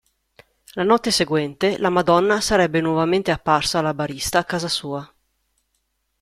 La notte seguente la Madonna sarebbe nuovamente apparsa alla barista a casa sua.